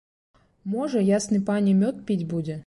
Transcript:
Можа, ясны пане мёд піць будзе?